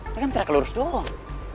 ini kan terak lurus doang